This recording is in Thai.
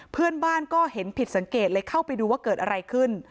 เพื่อนบ้านก็เห็นผิดสังเกตเลยเข้าไปดูว่าเกิดอะไรขึ้น